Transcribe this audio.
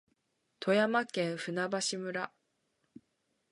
富山県舟橋村